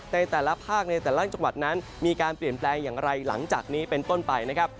ในแต่ละภาคในแต่ละจังหวัดนั้นมีการเปลี่ยนแปลงอย่างไรหลังจากนี้เป็นต้นไปนะครับ